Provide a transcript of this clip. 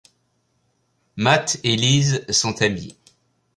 Matt et Liz sont amis.